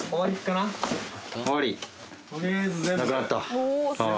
なくなったあぁ。